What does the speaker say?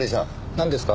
なんですか？